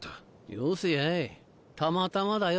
よせやいたまたまだよ